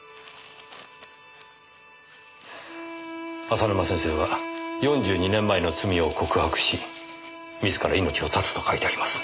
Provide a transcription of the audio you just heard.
浅沼先生は４２年前の罪を告白し自ら命を絶つと書いてあります。